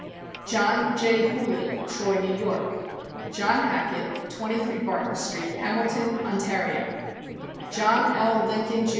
John J. Hooley, Troy, N. Y. j John Hackett, 23 Barton street, Hamilton, On tario; John L. Lincoln, Jr.